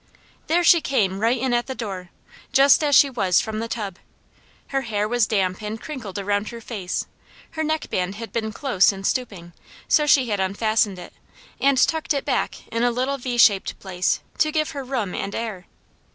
There she came right in the door, just as she was from the tub. Her hair was damp and crinkled around her face, her neckband had been close in stooping, so she had unfastened it, and tucked it back in a little V shaped place to give her room and air.